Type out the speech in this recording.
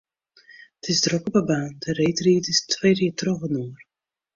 It is drok op 'e baan, de reedriders twirje trochinoar.